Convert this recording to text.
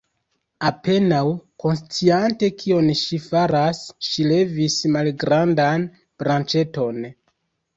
Apenaŭ konsciante kion ŝi faras, ŝi levis malgrandan branĉeton.